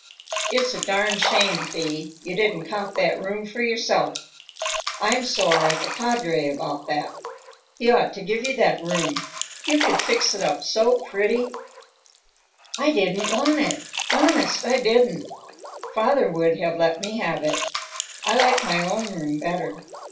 "It's a darned shame, Thee, you didn't cop that room for yourself. I'm sore at the padre about that. He ought to give you that room. You could fix it up so pretty." "I didn't want it, honest I didn't. Father would have let me have it. I like my own room better.